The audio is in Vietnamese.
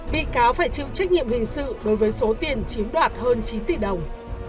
bị cáo phải chịu trách nhiệm hình sự đối với số tiền chiếm đoạt hơn chín tỷ đồng